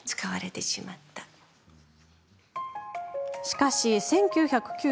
しかし、１９９８年。